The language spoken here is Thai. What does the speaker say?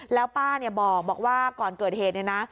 แล้วป้าบอกว่าก่อนเกิดเหตุเนี่ยนะ